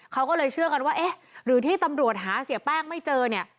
เขาก็เลยเชื่อกันว่าเอ๊ะหรือที่ตำรวจหาเสียแป้งไม่เจอเนี่ย